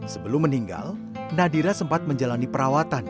sebelum meninggal nadira sempat menjalani perawatan